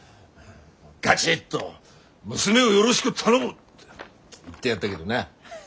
ガチッと「娘をよろしく頼む！」って言ってやったげどな。